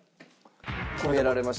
決められました？